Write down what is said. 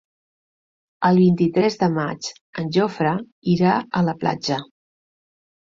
El vint-i-tres de maig en Jofre irà a la platja.